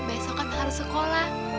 besok kan harus sekolah